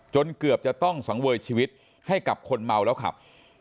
เกือบจะต้องสังเวยชีวิตให้กับคนเมาแล้วขับ